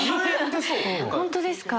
本当ですか？